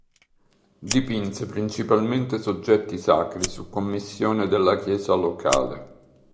Dipinse principalmente soggetti sacri su commissione della chiesa locale.